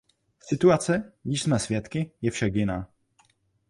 Situace, jíž jsme svědky, je však jiná.